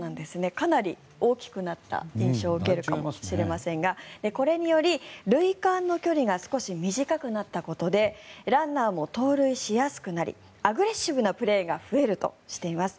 かなり大きくなった印象を受けるかもしれませんがこれにより、塁間の距離が少し短くなったことでランナーも盗塁しやすくなりアグレッシブなプレーが増えるとしています。